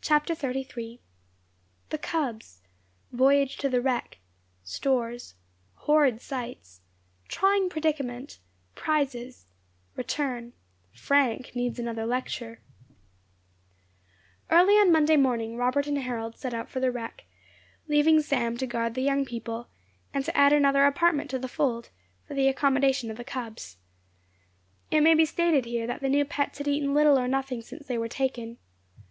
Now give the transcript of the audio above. CHAPTER XXXIII THE CUBS VOYAGE TO THE WRECK STORES HORRID SIGHTS TRYING PREDICAMENT PRIZES RETURN FRANK NEEDS ANOTHER LECTURE Early on Monday morning Robert and Harold set out for the wreck, leaving Sam to guard the young people, and to add another apartment to the fold, for the accommodation of the cubs. It may be stated here, that the new pets had eaten little or nothing since they were taken.